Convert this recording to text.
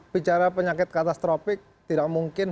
bicara penyakit katastrofik tidak mungkin